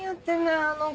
あの子。